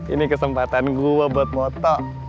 ini kesempatan gue buat moto